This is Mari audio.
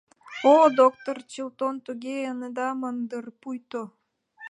— О, доктыр Чилтон, туге ынеда ман дыр, пуйто...